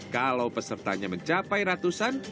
kalau pesertanya mencapai ratusan